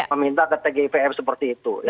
meminta ke tgipf seperti itu